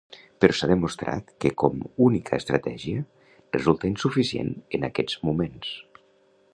Però s'ha demostrat que com única estratègia resulta insuficient en aquests moments.